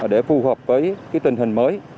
để phù hợp với tình hình mới